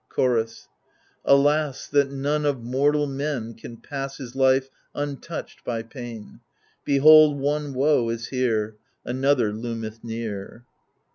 Chorus Alas, that none of mortal men Can pass his life untouched by pain ! Behold, one woe is here — Another loometh near.